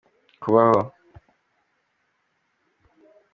kubaho